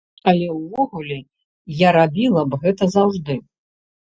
Але ўвогуле я рабіла б гэта заўжды!